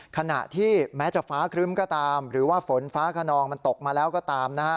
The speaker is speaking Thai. ขณะที่แม้จะฟ้าครึ้มก็ตามหรือว่าฝนฟ้าขนองมันตกมาแล้วก็ตามนะฮะ